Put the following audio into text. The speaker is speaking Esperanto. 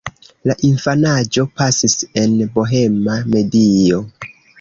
La infanaĝo pasis en bohema medio.